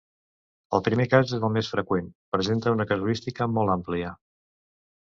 El primer cas és el més freqüent i presenta una casuística molt àmplia.